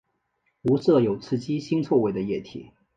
无色有刺激腥臭味的液体。